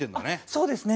そうですね。